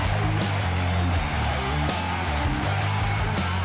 โหเยอะมากนะคะ